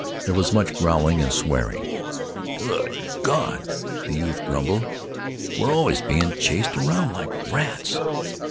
There was much growling and swearing. "Good Gawd," the youth grumbled, "we're always being chased around like rats!